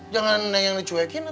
jangan kamu yang dicuekin ya